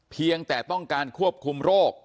เพียงแต่ต้องการควบคุมโรค